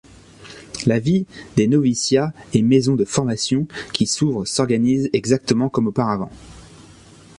La vie des noviciats et maisons de formation qui s’ouvrent s’organisent exactement comme auparavant.